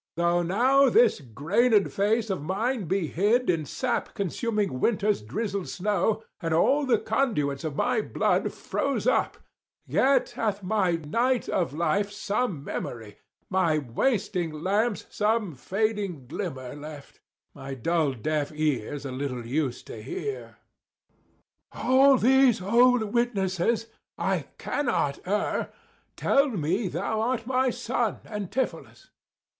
Though now this grained face of mine be hid 310 In sap consuming winter's drizzled snow, And all the conduits of my blood froze up, Yet hath my night of life some memory, My wasting lamps some fading glimmer left, My dull deaf ears a little use to hear: 315 All these old witnesses I cannot err Tell me thou art my son Antipholus.